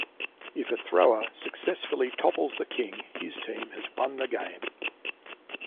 If a thrower successfully topples the king, his team has won the game.